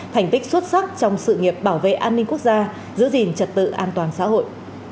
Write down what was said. thành tích xuất sắc trong sự nghiệp bảo vệ an ninh quốc gia giữ gìn trật tự an toàn xã hội